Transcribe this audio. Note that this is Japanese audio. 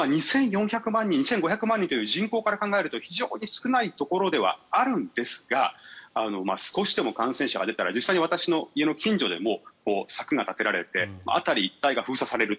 ただ、２４００万人２５００万人という人口から考えると非常に少ないところではあるんですが少しでも感染者が出たら実際に私の家の近所でも柵が立てられて辺り一帯が封鎖される